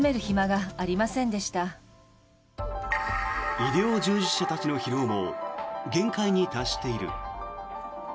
医療従事者たちの疲労も限界に達している。